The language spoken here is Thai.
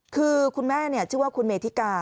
คือคุณแม่ชื่อว่าคุณเมธิกา